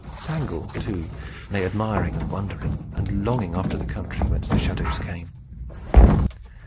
Tangle, too, lay admiring, and wondering, and longing after the country whence the shadows came.